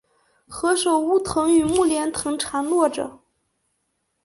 何首乌藤和木莲藤缠络着